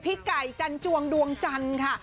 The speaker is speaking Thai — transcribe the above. พี่ไก่จันจวงดวงจันทร์ค่ะ